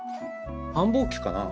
繁忙期かな？